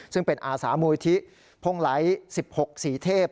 ซึ่งเป็นอาสามูลที่พ่งไหล๑๖สีเทพ